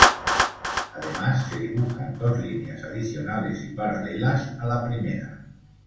Además se dibujan dos líneas adicionales y paralelas a la primera.